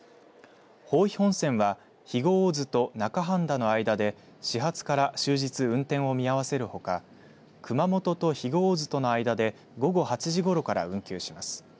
豊肥本線は肥後大津と中判田の間で始発から終日運転を見合わせるほか、熊本と肥後大津との間で午後８時ごろから運休します。